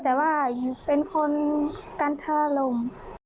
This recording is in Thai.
แต่ว่าเป็นคนกันทะลม